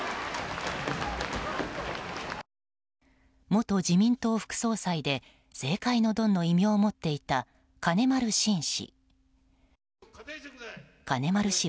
元自民党副総裁で政界のドンの異名を持っていた金丸信氏。